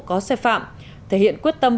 có xe phạm thể hiện quyết tâm